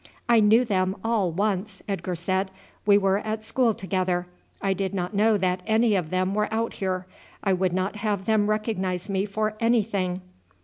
"I knew them all once," Edgar said. "We were at school together. I did not know that any of them were out here. I would not have them recognize me for anything."